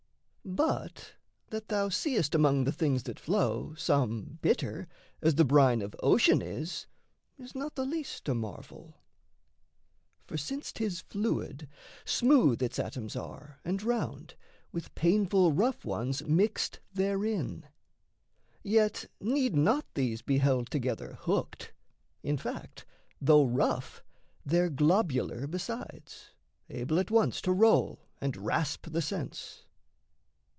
But that thou seest among the things that flow Some bitter, as the brine of ocean is, Is not the least a marvel... For since 'tis fluid, smooth its atoms are And round, with painful rough ones mixed therein; Yet need not these be held together hooked: In fact, though rough, they're globular besides, Able at once to roll, and rasp the sense.